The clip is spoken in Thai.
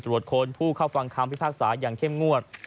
ผู้เข้าฟังคำพิพากษาอย่างเข้มงวด